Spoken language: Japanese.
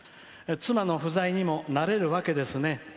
妻の不在にも慣れるわけですね。